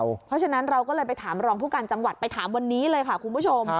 เพราะฉะนั้นเราก็เลยไปถามรองผู้การจังหวัดไปถามวันนี้เลยค่ะคุณผู้ชม